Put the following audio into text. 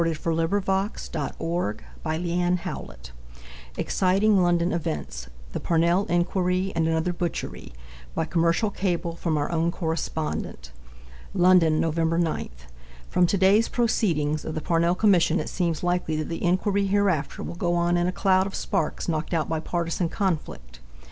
(6 posts) New York Times November 10, 1888 EXCITING LONDON EVENTS "The Parnell Inquiry and Another Butchery" by commercial cable from our own correspondent. London, Nov.9. From to day's proceedings of the Parnell Commission it seems likely that the inquiry hereafter will go on in a cloud of sparks knocked out by partisan conflict.